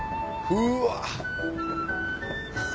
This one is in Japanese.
うわ！